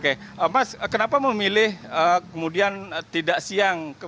oke mas kenapa memilih kemudian tidak siang